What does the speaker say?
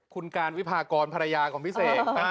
คุณการวิพากรภรรยาของพี่เสก